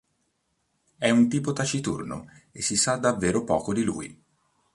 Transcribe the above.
È un tipo taciturno e si sa davvero poco di lui.